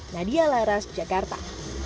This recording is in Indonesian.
nadia laras jakarta